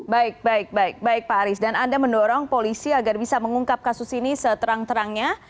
baik pak arief dan anda mendorong polisi agar bisa mengungkap kasus ini seterang terangnya